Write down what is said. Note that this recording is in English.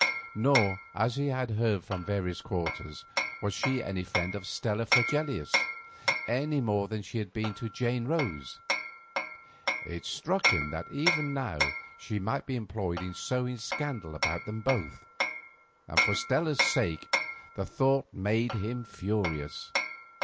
Nor, as he had heard from various quarters, was she any friend of Stella Fregelius, any more than she had been to Jane Rose. It struck him that even now she might be employed in sowing scandal about them both, and for Stella's sake the thought made him furious.